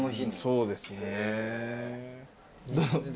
そうですね。